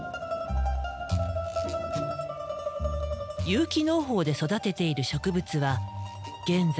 有機農法で育てている植物は現在９０種類。